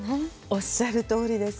おっしゃるとおりです。